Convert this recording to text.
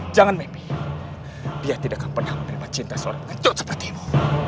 jangan mimpi dia tidak akan pernah menerima cinta seorang ngecut seperti mu